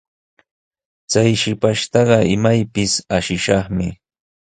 Chay shipashtaqa imaypis ashishaqmi.